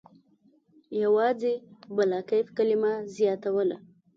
یوازې «بلاکیف» کلمه زیاتوله.